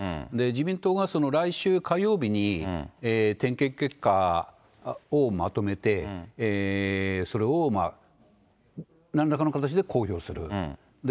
自民党が来週火曜日に、点検結果をまとめて、それをなんらかの形で公表する。